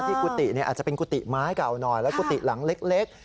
ที่กุฏินี่อาจจะเป็นกุฏิไม้เก่านอยแล้วก็กุฏิหลังเล็ก